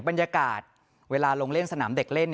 บรรยากาศเวลาลงเล่นสนามเด็กเล่น